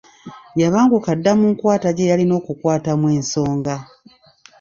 Yabanguka dda mu nkwata gye yalina okukwatamu ensonga.